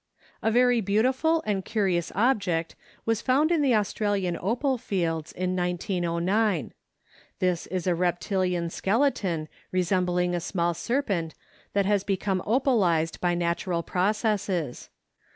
] A very beautiful and curious object was found in the Australian opal fields in 1909. This is a reptilean skeleton resembling a small serpent that has become opalized by natural processes.